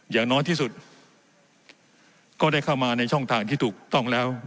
อย่างน้อยที่สุดก็ได้เข้ามาในช่องทางที่ถูกต้องแล้ว